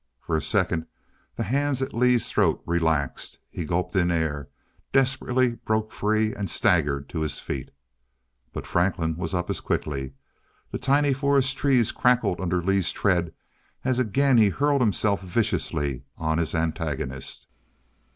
For a second the hands at Lee's throat relaxed. He gulped in air, desperately broke free and staggered to his feet. But Franklin was up as quickly. The tiny forest trees crackled under Lee's tread as again he hurled himself viciously on his antagonist....